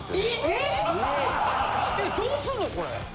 えどうすんのこれ。